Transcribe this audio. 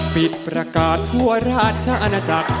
ปิดประกาศทั่วราชอาณาจักร